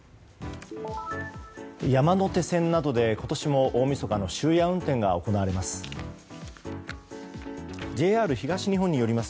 山手線などで今年も、大みそかの終夜運転が行われます。